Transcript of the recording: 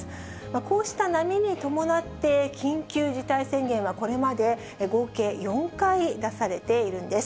こうした波に伴って、緊急事態宣言はこれまで合計４回出されているんです。